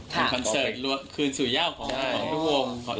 เป็นคอนเสิร์ตคืนสู่ย่าวของทุกวง